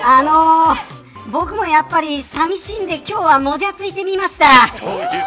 僕もやっぱり寂しいんで今日はもじゃついてみました。